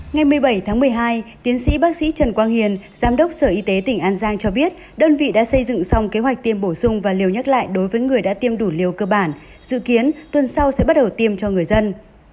ngày một mươi bảy tháng một mươi hai tiến sĩ bác sĩ trần quang hiền giám đốc sở y tế tỉnh an giang cho biết đơn vị đã xây dựng xong kế hoạch tiêm bổ sung và liều nhắc lại đối với người đã tiêm đủ liều cơ bản dự kiến tuần sau sẽ bắt đầu tiêm cho người dân